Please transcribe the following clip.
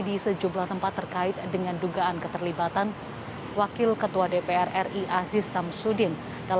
di sejumlah tempat terkait dengan dugaan keterlibatan wakil ketua dpr ri aziz samsudin